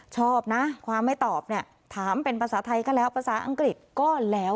ชอบนะความไม่ตอบเนี่ยถามเป็นภาษาไทยก็แล้วภาษาอังกฤษก็แล้ว